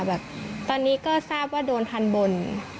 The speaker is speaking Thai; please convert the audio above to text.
แบบตอนนี้ก็ทราบว่าโดนทันบน